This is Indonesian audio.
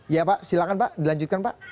ya pak silakan pak dilanjutkan pak